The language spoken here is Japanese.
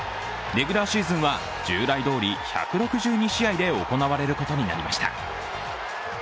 レギュラーシーズンは従来どおり１６２試合で行われることになりました。